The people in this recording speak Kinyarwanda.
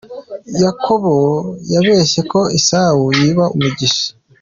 Yakobo yabeshye ko ari Esawu yiba umugisha.